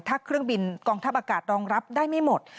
ถ้าเครื่องบินกองทัพอากาศรองรับได้ไม่หมด